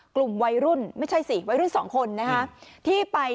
กลุ่มวัยรุ่นไม่ใช่สิวัยรุ่นสองคนนะคะที่ไป